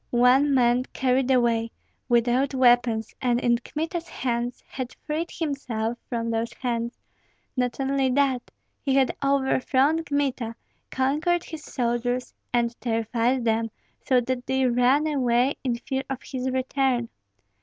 One man carried away, without weapons, and in Kmita's hands, had freed himself from those hands; not only that, he had overthrown Kmita, conquered his soldiers, and terrified them so that they ran away in fear of his return.